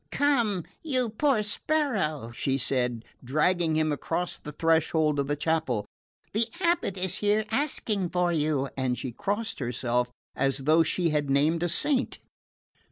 "Come, you poor sparrow," she said, dragging him across the threshold of the chapel, "the abate is here asking for you;" and she crossed herself, as though she had named a saint.